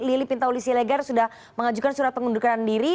meskipun lili pintaulisi legar sudah mengajukan surat pengunduran diri